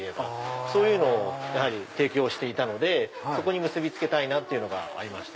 そういうのを提供していたのでそこに結び付けたいなっていうのがありまして。